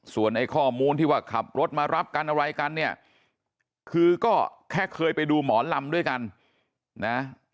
ส่วนไอ้ข้อมูลที่ว่าขับรถมารับกันอะไรกันเนี่ยคือก็แค่เคยไปดูหมอลำด้วยกันนะ